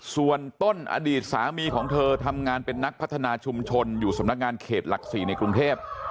ส่วนต้นอดีตสามีของเธอทำงานเป็นนักพัฒนาชุมชนอยู่สำนักงานเขตหลัก๔ในกรุงเทพ